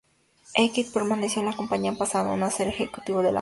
Eckert permaneció en la compañía pasando a ser un ejecutivo de la misma.